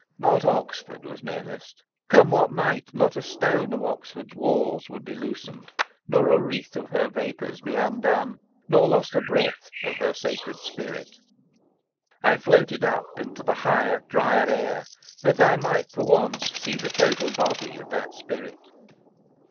Not Oxford was menaced. Come what might, not a stone of Oxford's walls would be loosened, nor a wreath of her vapours be undone, nor lost a breath of her sacred spirit. I floated up into the higher, drier air, that I might, for once, see the total body of that spirit.